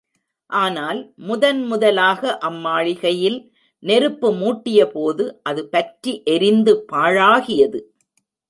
ஆனால், முதன் முதலாக அம் மாளிகையில் நெருப்பு மூட்டியபோது, அது பற்றி எரிந்து பாழாகியது.